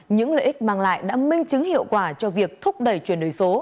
những lợi ích mang lại đã minh chứng hiệu quả cho việc thúc đẩy chuyển đổi số